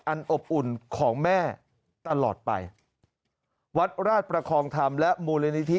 อบอุ่นของแม่ตลอดไปวัดราชประคองธรรมและมูลนิธิ